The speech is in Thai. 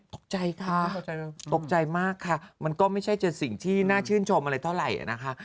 ตกใจค่ะตกใจมากค่ะมันก็ไม่ใช่จะสิ่งที่น่าชื่นชมอะไรเท่าไหร่นะคะ